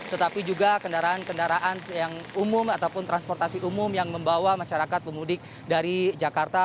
tetapi juga kendaraan kendaraan yang umum ataupun transportasi umum yang membawa masyarakat pemudik dari jakarta